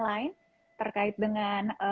lain terkait dengan